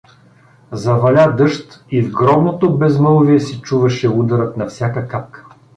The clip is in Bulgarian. Заваля дъжд и в гробното безмълвие се чуваше ударът на всяка капка.